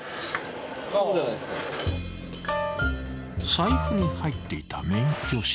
［財布に入っていた免許証］